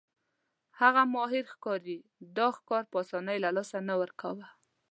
هغه ماهر ښکاري دا ښکار په اسانۍ له لاسه نه ورکاوه.